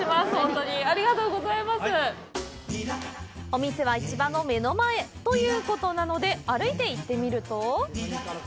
お店は市場の目の前ということなので、歩いていってみると。